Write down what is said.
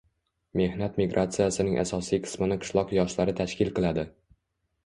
Mehnat migratsiyasining asosiy qismini qishloq yoshlari tashkil qiladi.